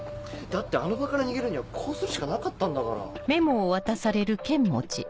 だってあの場から逃げるにはこうするしかなかったんだから。